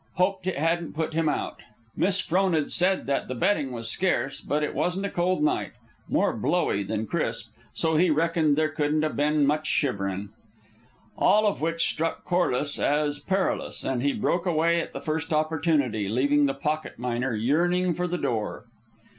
Hoped it hadn't put him out. Miss Frona'd said that bedding was scarce, but it wasn't a cold night (more blowy than crisp), so he reckoned there couldn't 'a' ben much shiverin'. All of which struck Corliss as perilous, and he broke away at the first opportunity, leaving the pocket miner yearning for the door.